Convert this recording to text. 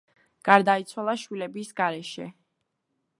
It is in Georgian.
გარდაიცვალა შვილების გარეშე.